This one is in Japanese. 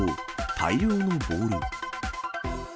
大量のボール。